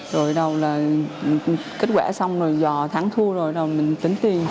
rồi đầu là kết quả xong rồi dò thắng thua rồi rồi mình tính tiền